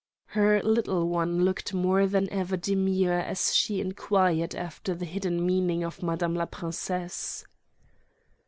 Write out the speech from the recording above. Her little one looked more than ever demure as she enquired after the hidden meaning of madame la princesse.